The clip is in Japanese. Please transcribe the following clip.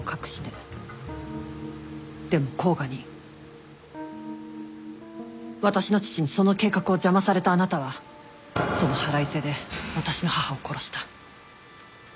でも甲賀に私の父にその計画を邪魔されたあなたはその腹いせで私の母を殺した。